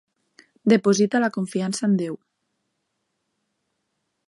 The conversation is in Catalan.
Deposita la confiança en Déu.